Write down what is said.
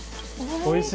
おいしい。